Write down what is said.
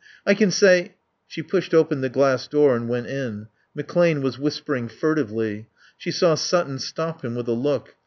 "I can say " She pushed open the glass door and went in. McClane was whispering furtively. She saw Sutton stop him with a look.